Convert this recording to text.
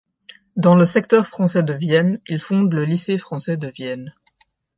Dans le secteur français de Vienne, il fonde le lycée français de Vienne.